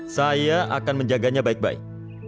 saya akan menjaganya baik baik